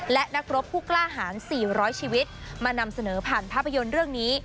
และนักรบผู้กล้าหาร๔๐๐ชีวิตมานำเสนอผ่านภาพยนตร์เรื่องนี้